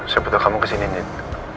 saya butuh kamu kesini din